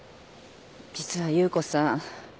実は夕子さん。